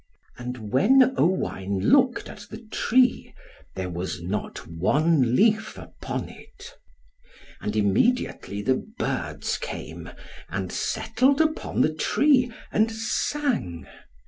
And when Owain looked at the tree, there was not one leaf upon it. And immediately the birds came, and settled upon the tree, and sang.